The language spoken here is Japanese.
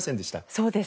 そうです。